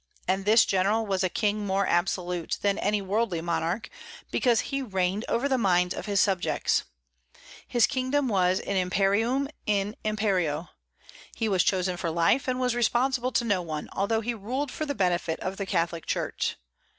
And this General was a king more absolute than any worldly monarch, because he reigned over the minds of his subjects. His kingdom was an imperium in imperio; he was chosen for life and was responsible to no one, although he ruled for the benefit of the Catholic Church.